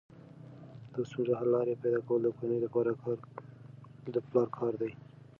د ستونزو حل لارې پیدا کول د کورنۍ د پلار کار دی.